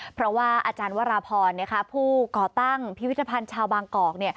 เพราะว่าอาจารย์วราพรผู้ก่อตั้งพิพิธภัณฑ์ชาวบางกอก